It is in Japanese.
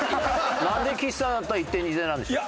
なんで岸さんだったら１点２点なんでしょう？